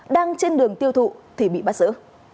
đang trên đường tiêu thụ thì bị bắt giữ